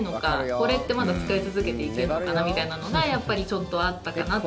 これってまだ使い続けていけるのかなみたいなのがちょっとあったかなと。